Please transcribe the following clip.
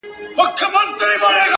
زه يې نور نه کوم; په تياره انتظار;